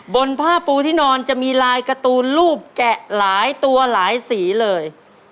บนผ้าปูที่นอนจะมีลายการ์ตูนรูปแกะหลายตัวหลายสีเลย